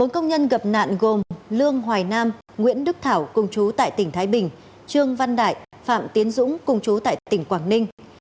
bốn công nhân gặp nạn gồm lương hoài nam nguyễn đức thảo cung chú tại tỉnh thái bình trương văn đại phạm tiến dũng cùng chú tại tỉnh quảng ninh